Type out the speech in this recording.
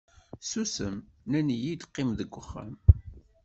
Susem, nnan-iyi-d qqim deg uxxam.